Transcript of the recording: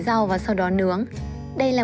rau và sau đó nướng đây là